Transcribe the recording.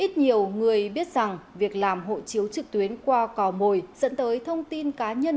ít nhiều người biết rằng việc làm hộ chiếu trực tuyến qua cò mồi dẫn tới thông tin cá nhân